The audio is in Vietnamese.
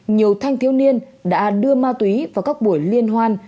nhiều thanh thiếu niên đã đưa ma túy vào các buổi liên hoan